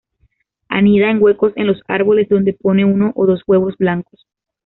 Anida en huecos en los árboles donde pone uno o dos huevos blancos.